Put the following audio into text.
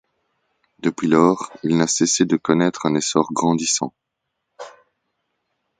Depuis lors, il n'a cessé de connaître un essor grandissant.